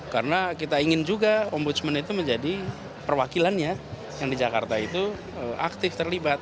karena kita ingin juga ombudsman itu menjadi perwakilannya yang di jakarta itu aktif terlibat